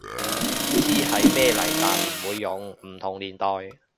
知係咩嚟但唔會用，唔同年代